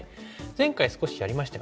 前回少しやりましたよね。